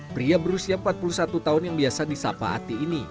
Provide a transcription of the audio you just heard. pria berusia empat puluh satu tahun yang biasa di sapa ati ini